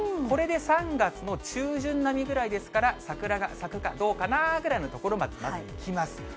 これで３月の中旬並みぐらいですから、桜が咲くかどうかなぐらいのところまでまずいきます。